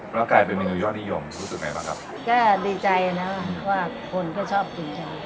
แล้วกลายเป็นเมนูยอดนิยมรู้สึกไงบ้างครับก็ดีใจนะว่าคนก็ชอบดีใจ